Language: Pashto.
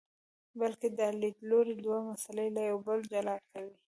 بلکې دا لیدلوری دوه مسئلې له یو بل جلا کوي.